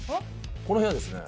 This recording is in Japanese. この部屋ですね。